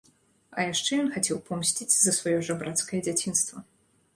А яшчэ ён хацеў помсціць за сваё жабрацкае дзяцінства.